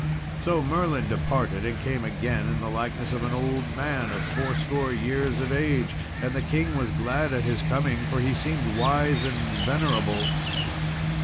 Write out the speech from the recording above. So Merlin departed, and came again in the likeness of an old man of fourscore years of age; and the king was glad at his coming, for he seemed wise and venerable.